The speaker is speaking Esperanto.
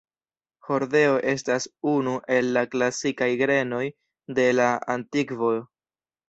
Hordeo estas unu el la klasikaj grenoj de la antikvo.